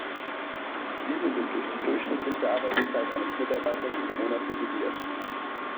Diese wird durch die durchschnittliche Arbeitszeit eines Mitarbeiters pro Monat dividiert.